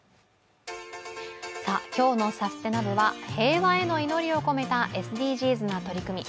今日の「＃サステナ部」は平和への祈りを込めたＳＤＧｓな取り組み。